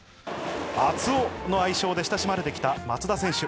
熱男の愛称で親しまれてきた松田選手。